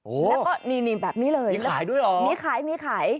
โอ้โฮมีขายด้วยหรือมีขาย